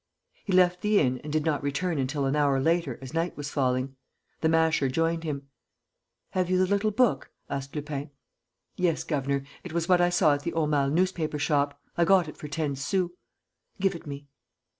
He left the inn and did not return until an hour later as night was falling. The Masher joined him. "Have you the little book?" asked Lupin. "Yes, governor. It was what I saw at the Aumale newspaper shop. I got it for ten sous." "Give it me."